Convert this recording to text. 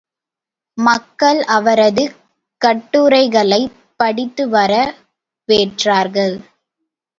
மக்கள் அவரது கட்டுரைகளைப் படித்து வர வேற்றார்கள்.